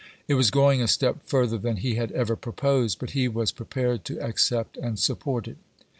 It was going a step further than he had ever proposed, but he was prepared to accept and support it.